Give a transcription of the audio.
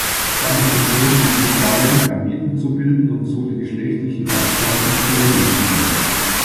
Seine Funktion besteht darin, Gameten zu bilden und so die geschlechtliche Fortpflanzung zu ermöglichen.